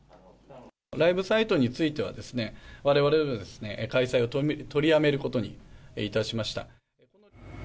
ライブサイトについてはですね、われわれも開催を取りやめることにいたしました。